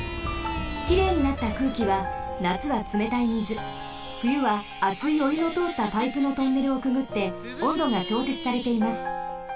きれいになった空気はなつはつめたいみずふゆはあついおゆのとおったパイプのトンネルをくぐっておんどがちょうせつされています。